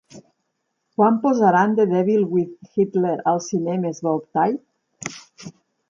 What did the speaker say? Quan posaran The Devil with Hitler als cinemes Bow Tie